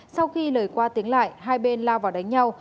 sau khi lời qua tiếng lại hai bên lao vào đánh nhau